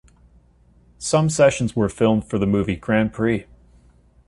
Some sessions were filmed for the movie "Grand Prix".